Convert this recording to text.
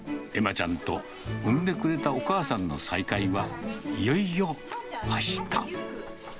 ちゃんと産んでくれたお母さんの再会は、いよいよあした。